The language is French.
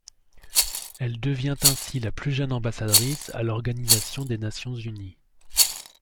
Elle devient ainsi la plus jeune ambassadrice à l'Organisation des Nations unies.